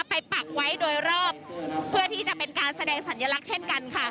ปักไว้โดยรอบเพื่อที่จะเป็นการแสดงสัญลักษณ์เช่นกันค่ะ